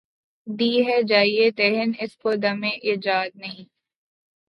دی ہے جایے دہن اس کو دمِ ایجاد ’’ نہیں ‘‘